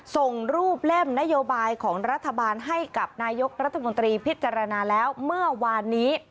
ส่งรูปเล่มนโยบายของรัฐบาลให้กับนายกรัฐมนตรีพิจารณาแล้วเมื่อวานนี้